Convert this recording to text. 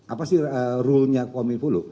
apa sih rulnya kominfo loh